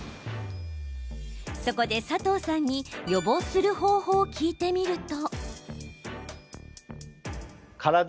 そこで、佐藤さんに予防する方法を聞いてみると。